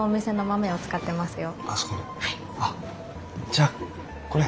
じゃあこれ。